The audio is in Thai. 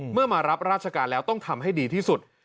มารับราชการแล้วต้องทำให้ดีที่สุด